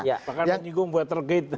pak karno juga watergate